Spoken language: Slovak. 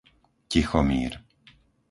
Tichomír